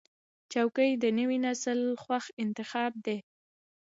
چوکۍ د نوي نسل خوښ انتخاب دی.